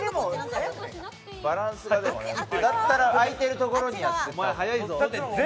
だったら空いてるところにやっていった方が。